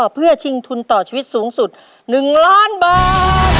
เพื่อชิงทุนต่อชีวิตสูงสุด๑ล้านบาท